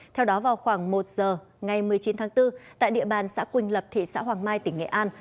theo đó vào khoảng một giờ ngày một mươi chín tháng bốn tại địa bàn xã quỳnh lập thị xã hoàng mai tỉnh nghệ an